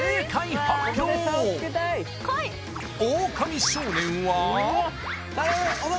オオカミ少年は頼む！